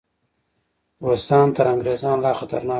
روسان تر انګریزانو لا خطرناک دي.